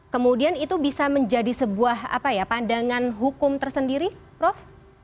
kemudian itu bisa menjadi sebuah pandangan hukum tersendiri prof